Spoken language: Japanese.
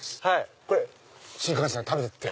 これ新幹線で食べてよ。